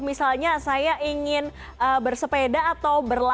misalnya saya ingin bersepeda atau berlatih